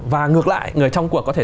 và ngược lại người trong cuộc có thể